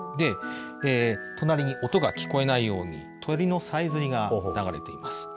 隣に音が聞こえないように鳥のさえずりが流れています。